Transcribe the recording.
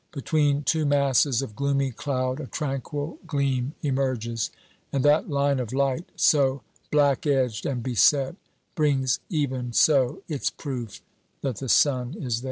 Between two masses of gloomy cloud a tranquil gleam emerges; and that line of light, so blackedged and beset, brings even so its proof that the sun is there.